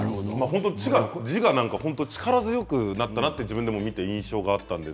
本当に字が力強くなったなと自分でも見て印象がありました。